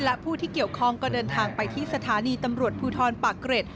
และผู้ที่เกี่ยวข้องก็เดินทางไปที่สถานีตำรวจภูทรปากเกร็ด